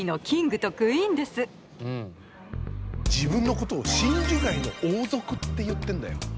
自分のことを真珠貝の王族って言ってんだよ。